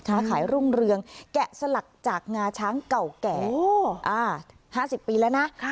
ค้าขายรุ่งเรืองแกะสลักจากงาช้างเก่าแก่๕๐ปีแล้วนะ